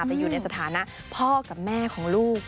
ไปอยู่ในสถานะพ่อกับแม่ของลูก